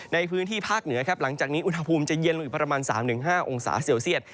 ในพื้นที่ภาคเหนือครับหลังจากนี้อุณหภูมิจะเย็นลงอีกประมาณ๓๕องศาเซลเซียต